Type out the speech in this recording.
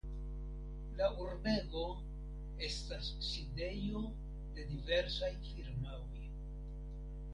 La urbego estas sidejo de diversaj firmaoj.